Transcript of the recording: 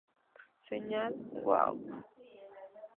Señal Wow!